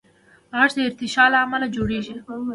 غږ د ارتعاش له امله جوړېږي.